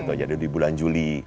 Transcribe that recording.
gitu jadi di bulan juli